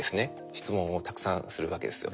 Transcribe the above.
質問をたくさんするわけですよ。